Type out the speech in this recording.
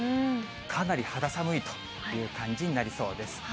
かなり肌寒いという感じになりそうです。